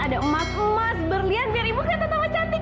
ada emas emas berlian biar ibu kelihatan sama cantik ya kan